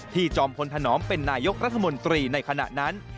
จอมพลธนอมเป็นนายกรัฐมนตรีในขณะนั้น